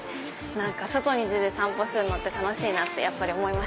外に出て散歩するのって楽しいなって思いました。